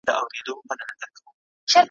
شپه تاریکه ده نګاره چي رانه سې ,